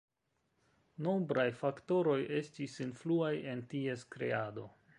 Nombraj faktoroj estis influaj en ties kreado.